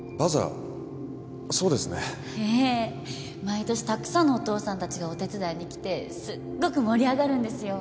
毎年たくさんのお父さんたちがお手伝いに来てすっごく盛り上がるんですよ。